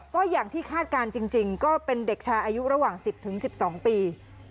ก็อย่างที่คาดการณ์จริงก็เป็นเด็กชายอายุระหว่าง๑๐๑๒ปี